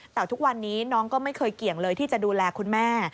แต่ทุกวันนี้น้องก็ไม่เคยเกี่ยงเลยที่จะดูแลคุณแม่